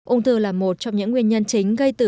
ung thư là một trong những nguyên nhân chính gây tử